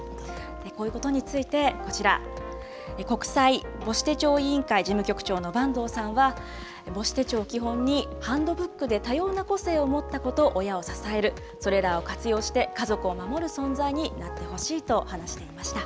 こういうことについて、こちら、国際母子手帳委員会事務局長の板東さんは、母子手帳を基本に、ハンドブックで多様な個性を持った子と親を支える、それらを活用して家族を守る存在になってほしいと話していました。